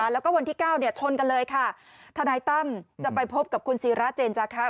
แล้วก็วันที่๙ชนกันเลยค่ะทนายตั้มจะไปพบกับคุณศิราเจนจาคะ